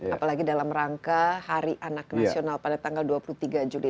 apalagi dalam rangka hari anak nasional pada tanggal dua puluh tiga juli